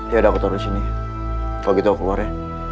ya udah aku taruh di sini kalau gitu aku keluar ya